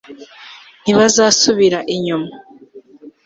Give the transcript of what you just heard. ntibazasubira inyuma